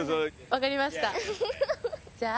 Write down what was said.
分かりました。